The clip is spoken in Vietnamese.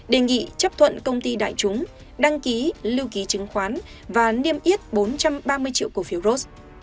đề nghị chấp thuận công ty đại chúng đăng ký lưu ký chứng khoán và niêm yết bốn trăm ba mươi triệu cổ phiếu ros